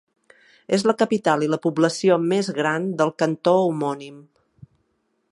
És la capital i la població més gran del cantó homònim.